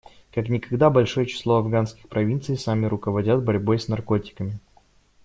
Как никогда большое число афганских провинций сами руководят борьбой с наркотиками.